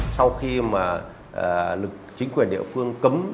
sau khi mà lực chính quyền địa phương cấm